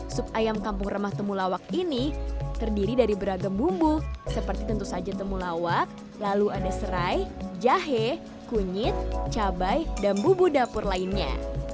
sup ayam kampung remah temulawak ini terdiri dari beragam bumbu seperti tentu saja temulawak lalu ada serai jahe kunyit cabai dan bumbu dapur lainnya